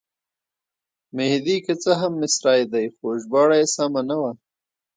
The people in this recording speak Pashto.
مهدي که څه هم مصری دی خو ژباړه یې سمه نه وه.